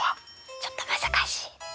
ちょっと難しい。